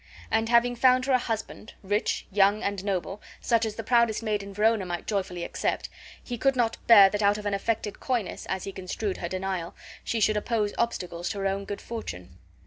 And having found her a husband, rich, young, and noble, such as the proudest maid in Verona might joyfully accept, he could not bear that out of an affected coyness, as he construed her denial, she should oppose obstacles to her own good fortune.